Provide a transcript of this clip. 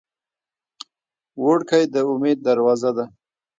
هلک د امید دروازه ده.